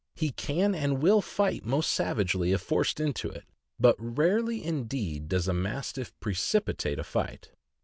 He can and will fight most savagely if forced into it, but rarely indeed does a Mastiff precipitate a fight.